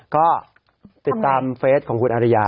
ก็ติดตามเฟสของคุณอริยา